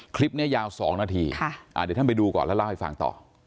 คลิปนี้ยาว๒นาทีเดี๋ยวท่านไปดูก่อนแล้วเล่าให้ฟังต่อ